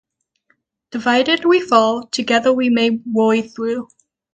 Divided, we fall, together we may worry through.